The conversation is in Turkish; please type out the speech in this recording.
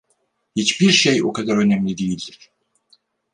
Hiçbir şey o kadar önemli değildir.